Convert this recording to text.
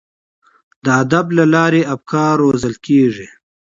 د ادب له لارې افکار روزل کیږي.